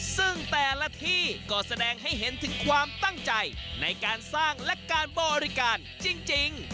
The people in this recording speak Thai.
ซึ่งแต่ละที่ก็แสดงให้เห็นถึงความตั้งใจในการสร้างและการบริการจริง